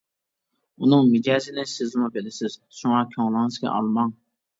ئۇنىڭ مىجەزىنى سىزمۇ بىلىسىز، شۇڭا كۆڭلىڭىزگە ئالماڭ.